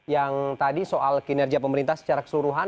yang tadi soal kinerja pemerintah secara keseluruhan